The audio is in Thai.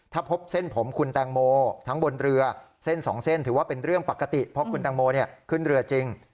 ถ้าพบเส้นผมคุณแตงโมทั้งบนเรือเส้นสองเส้นถือว่าเป็นเรื่องปกติเพราะคุณแตงโมขึ้นเรือจริง